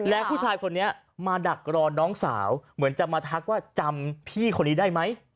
และผู้ชายคนนี้มาดักรอน้องสาวเหมือนจะมาทักว่าจำพี่คนนี้ได้ไหม